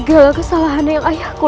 yang hansa yang memandang ayahku